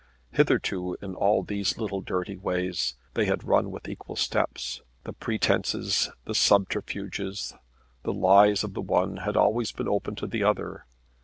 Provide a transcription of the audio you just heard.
Hitherto in all these little dirty ways they had run with equal steps. The pretences, the subterfuges, the lies of the one had always been open to the other.